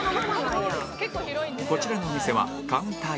こちらのお店はカウンター４席